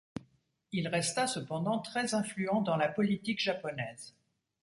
Il resta cependant très influent dans la politique japonaise.